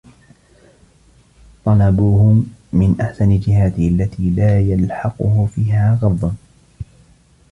طَلَبُهُ مِنْ أَحْسَنِ جِهَاتِهِ الَّتِي لَا يَلْحَقُهُ فِيهَا غَضٌّ